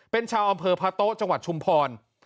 เป็นชาวอำเภอพะโต๊ะจังหวัดชุมพร